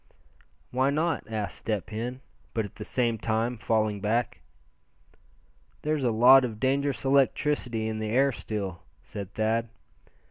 "Why not?" asked Step Hen, but at the same time falling back. "There's a lot of dangerous electricity in the air still," said Thad.